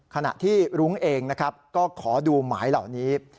ขณะที่รุ้งเองนะครับก็ขอดูหมายเหล่านี้